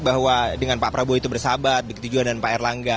bahwa dengan pak prabowo itu bersahabat begitujuan dan pak erlangga